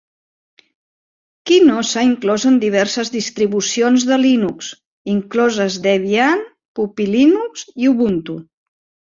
Kino s'ha inclòs en diverses distribucions de Linux, incloses Debian, Puppy Linux i Ubuntu.